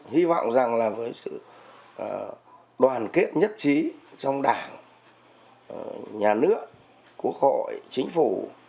hy vọng rằng là với sự đoàn kết nhất trí trong đảng nhà nước quốc hội chính phủ